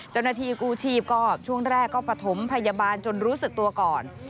เจ้าหน้าที่กู้ชีพก็ช่วงแรกก็ประถมพยาบาลจนรู้สึกตัวก่อน